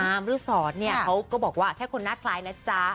มาทุกสอนเนี่ยเขาก็บอกว่าแค่คนน่าคล้ายนะจ้า